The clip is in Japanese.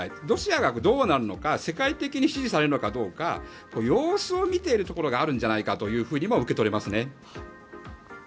ロシアがどうなるのか世界的に支持されるのかどうか様子を見ているところがあるんじゃないかなとも受け取れますね。